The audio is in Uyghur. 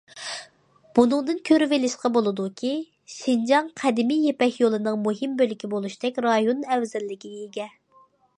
بۇنىڭدىن كۆرۈۋېلىشقا بولىدۇكى، شىنجاڭ قەدىمىي يىپەك يولىنىڭ مۇھىم بۆلىكى بولۇشتەك رايون ئەۋزەللىكىگە ئىگە.